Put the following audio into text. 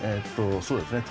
そうですね